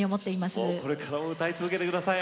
これからも歌い続けて下さい。